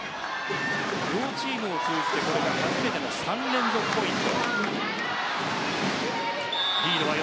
両チーム通じて初めての３連続ポイントです。